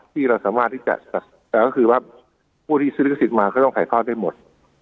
ที่เราสามารถที่จะก็คือว่าผู้ที่ซื้อลิขสิทธิ์มาก็ต้องถ่ายทอดได้หมด